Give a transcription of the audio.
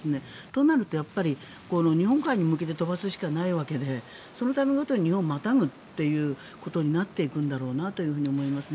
となると日本海に向けて飛ばすしかないわけでその度ごとに日本をまたぐことになっていくんだろうなと思います。